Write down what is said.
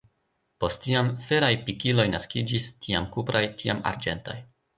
Post tiam, feraj pikiloj naskiĝis, tiam kupraj, tiam arĝentaj.